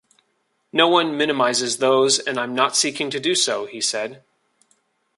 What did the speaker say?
No one minimises those and I'm not seeking to do so, he said.